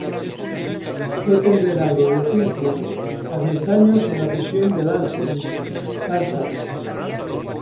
Fue condenado de cinco a diez años en la prisión de Lansing, Kansas.